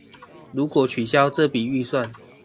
如果取消這筆預算